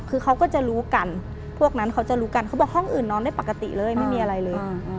คือเขาก็จะรู้กันพวกนั้นเขาจะรู้กันเขาบอกห้องอื่นนอนได้ปกติเลยไม่มีอะไรเลย